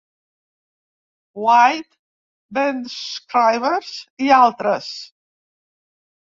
White, Ben Scrivens i altres.